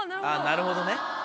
なるほどね。